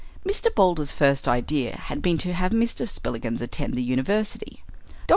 Mr. Boulder's first idea had been to have Mr. Spillikins attend the university. Dr.